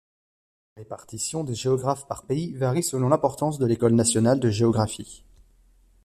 La répartition des géographes par pays varie selon l'importance de l'école nationale de géographie.